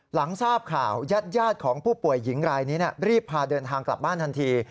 หลังทราบข่าวญาติของผู้ป่วยหญิงรายนี้รีบพาเดินทางกลับบ้านทันที